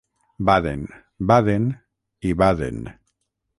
Baden, baden i baden.